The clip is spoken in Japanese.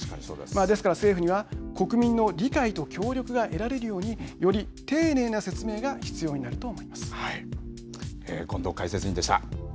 ですから政府には国民の理解と協力が得られるようにより丁寧な説明が必要になると思います。